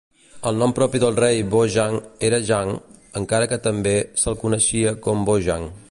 El nom propi del rei Bojang era Jang, encara que també s'el coneixia com Bojang.